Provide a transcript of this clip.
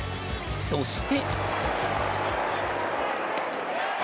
そして。